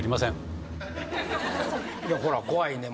いやほら怖いねん。